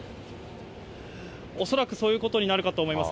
恐らくそういうことになるかと思います。